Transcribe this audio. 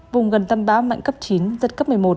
vùng gần tâm bão mạnh cấp chín giật cấp một mươi một